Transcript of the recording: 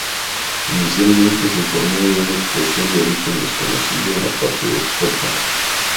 Inicialmente se informó de una explosión de origen desconocido en la parte de popa.